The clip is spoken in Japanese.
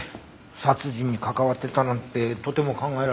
殺人に関わってたなんてとても考えられない。